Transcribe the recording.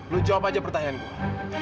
lo jawab aja pertanyaan gue